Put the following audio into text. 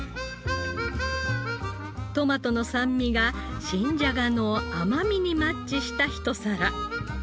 トマトの酸味が新じゃがの甘みにマッチしたひと皿。